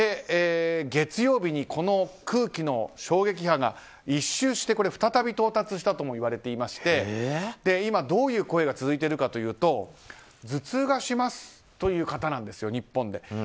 月曜日に空気の衝撃波が一周して再び到達したともいわれていまして今、どういう声が続いているかというと頭痛がしますという方なんです日本で。